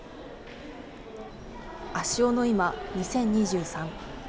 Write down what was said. ー足尾の今ー２０２３。